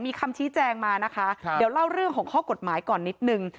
มีคำชี้แจงมานะคะเดี๋ยวเล่าเรื่องของข้อกฎหมายก่อนนิดนึง